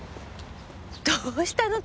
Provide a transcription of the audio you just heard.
どうしたの？